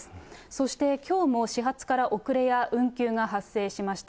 そしてきょうも始発から遅れや運休が発生しました。